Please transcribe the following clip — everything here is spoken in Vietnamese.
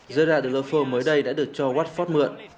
giờ đã liverpool mới đây đã được cho watford mượn